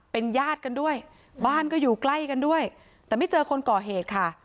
เป็นญาติกันด้วยบ้านก็อยู่ใกล้กันด้วยแต่ไม่เจอคนก่อเหตุค่ะ